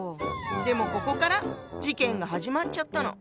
でもここから事件が始まっちゃったの。